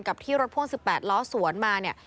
ที่รถพ่วง๑๘ล้อสวนมาเนี่ย